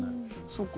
そっか。